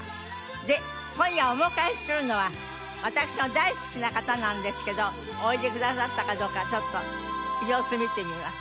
で今夜お迎えするのは私の大好きな方なんですけどおいでくださったかどうかちょっと様子見てみます。